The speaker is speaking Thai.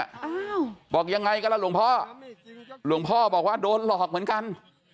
อ้าวบอกยังไงกันล่ะหลวงพ่อหลวงพ่อบอกว่าโดนหลอกเหมือนกัน